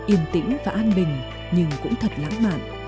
yên tĩnh và an bình nhưng cũng thật lãng mạn